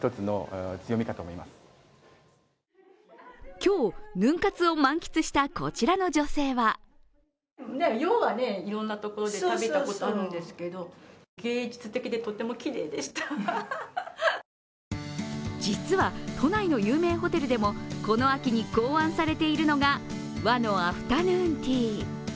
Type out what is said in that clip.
今日、ヌン活を満喫したこちらの女性は実は、都内の有名ホテルでもこの秋に考案されているのが和のアフタヌーンティー。